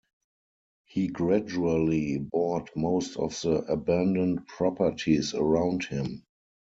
He gradually bought most of the abandoned properties around him.